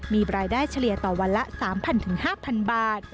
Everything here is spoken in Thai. มีรายได้เฉลี่ยต่อวันละ๓๐๐๕๐๐บาท